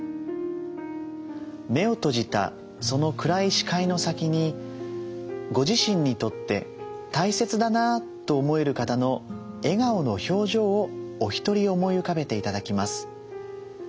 目を閉じたその暗い視界の先にご自身にとって大切だなと思える方の笑顔の表情をお一人思い浮かべて頂きます。